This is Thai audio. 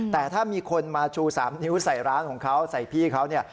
แต่ถ้ามีคนมาชู๓นิ้วใส่ร้านของเขาใส่พี่เขาเนี่ย